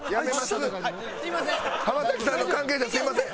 浜崎さんの関係者すみません！